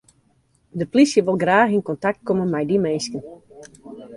De plysje wol graach yn kontakt komme mei dy minsken.